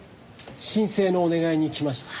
申請のお願いに来ました。